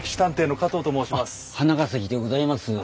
花ケ前でございます。